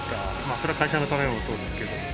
それは会社のためもそうですけど。